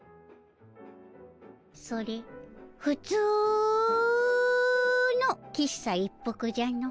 それふつうの喫茶一服じゃの。